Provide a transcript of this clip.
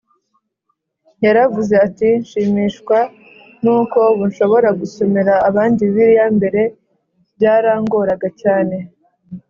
yaravuze ati nshimishwa n uko ubu nshobora gusomera abandi Bibiliya Mbere byarangoraga cyane